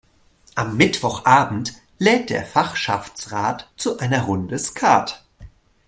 Am Mittwochabend lädt der Fachschaftsrat zu einer Runde Skat.